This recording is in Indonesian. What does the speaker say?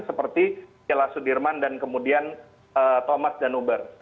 seperti jela sudirman dan kemudian thomas danuber